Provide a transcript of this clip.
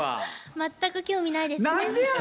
全く興味ないですね。